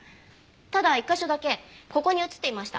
ただ１カ所だけここに映っていました。